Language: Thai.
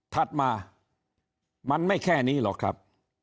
ถัดมามันไม่แค่นี้หรอกครับ